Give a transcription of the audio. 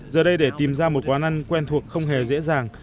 giờ đây để tìm ra một quán ăn quen thuộc không hề dễ dàng